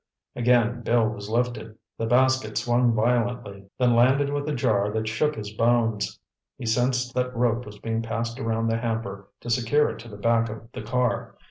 Again Bill was lifted. The basket swung violently, then landed with a jar that shook his bones. He sensed that rope was being passed around the hamper to secure it to the back of the car.